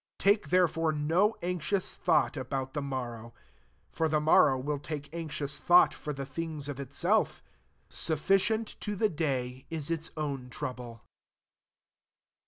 34 Take therefore no anxious thought about the morrow : for the mor row will take anxious thought for [the things of] itself. Suffi cient to the day ia its own trouble.